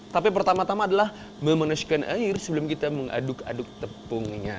tapi pertama tama adalah memanaskan air sebelum kita mengaduk aduk tepungnya